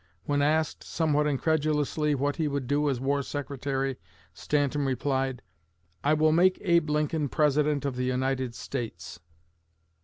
When asked, somewhat incredulously, what he would do as War Secretary Stanton replied, "I will make Abe Lincoln President of the United States."